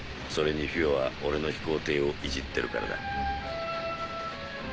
それにフィオは俺の飛行艇をいじってるからだ。